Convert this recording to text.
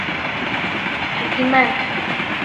Хәкимә!..